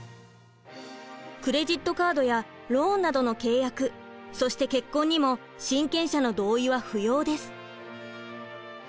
クレジットカードやローンなどの契約そして結婚にも親権者の同意は不要です。